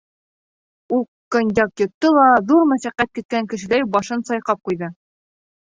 Ул коньяк йотто ла ҙур мәшәҡәт көткән кешеләй башын сайҡап ҡуйҙы.